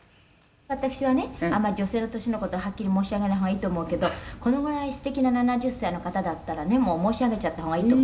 「私はねあんまり女性の年の事をはっきり申し上げない方がいいと思うけどこのぐらい素敵な７０歳の方だったらねもう申し上げちゃった方がいいと」